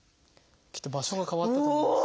きっと場所が変わったと思います。